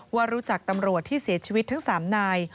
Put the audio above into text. ว่ารู้จักตำรวจที่เสียชีวิตทั้ง๓นาย